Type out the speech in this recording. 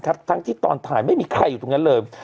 ทั้งที่ตอนถ่ายไม่มีใครอยู่ตรงนั้นเลย